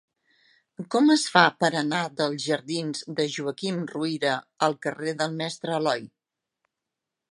Com es fa per anar dels jardins de Joaquim Ruyra al carrer del Mestre Aloi?